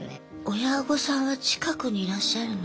親御さんは近くにいらっしゃるの？